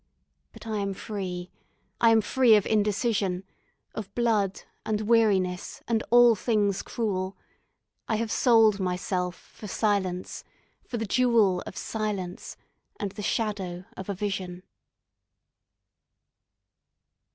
But I am free I am free of indecision, Of blood, and weariness, and all things cruel. I have sold my Self for silence, for the jewel Of silence, and the shadow of a vision....